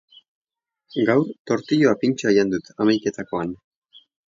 gaur tortilla pintxoa jan dut hamaiketakoan